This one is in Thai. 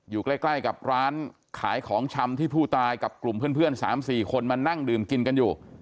อยู่ใกล้กับร้านขายของชำที่ผู้ตายกับกลุ่มเพื่อน๓๔คนมานั่งดื่มกินกันอยู่